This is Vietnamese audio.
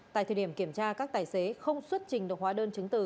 tại thời điểm kiểm tra các tài xế không xuất trình được hóa đơn chứng từ